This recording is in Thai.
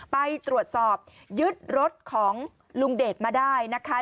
ไปตรวจสอบยึดรถของลุงเดชมาได้นะคะ